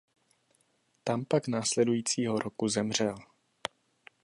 Tam pak následujícího roku zemřel.